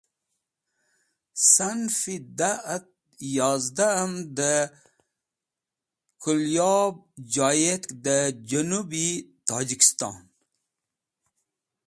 Sinf-e da et yozda’m dẽ Kulyob joyetk, dẽ junub-e Tojikiston